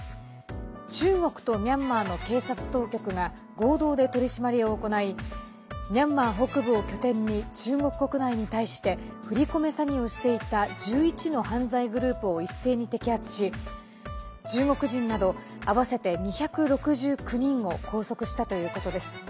中国とミャンマーの警察当局が合同で取り締まりを行いミャンマー北部を拠点に中国国内に対して振り込め詐欺をしていた１１の犯罪グループを一斉に摘発し中国人など、合わせて２６９人を拘束したということです。